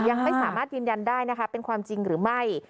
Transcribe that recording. ยังไม่สามารถยืนยันได้นะคะเป็นความจริงหรือไม่